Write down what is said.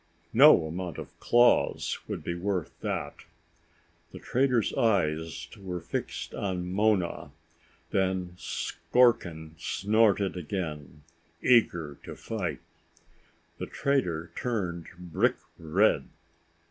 No amount of claws would be worth that. The trader's eyes were fixed on Mona. Then Skorkin snorted again, eager to fight. The trader turned brick red.